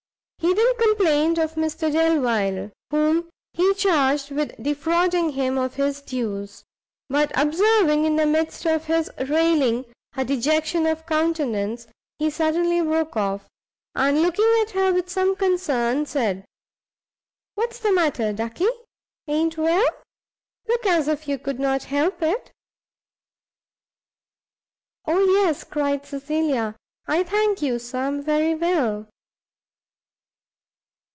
He then complained of Mr Delvile, whom he charged with defrauding him of his dues; but observing in the midst of his railing her dejection of countenance, he suddenly broke off, and looking at her with some concern, said, "what's the matter, Ducky? a'n't well? look as if you could not help it." "O yes," cried Cecilia, "I thank you, Sir, I am very well."